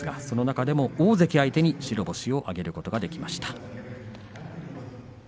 その中でも大関相手に白星を挙げることができました。